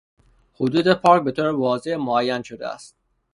حدود پارک به طور واضح معین شده است.